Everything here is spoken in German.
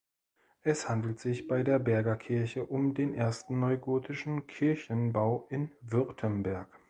Es handelt sich bei der Berger Kirche um den ersten neugotischen Kirchenbau in Württemberg.